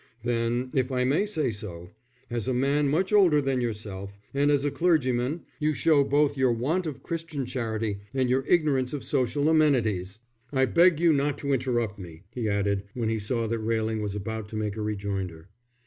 "Then, if I may say so, as a man much older than yourself, and as a clergyman, you show both your want of Christian charity and your ignorance of social amenities.... I beg you not to interrupt me," he added, when he saw that Railing was about to make a rejoinder.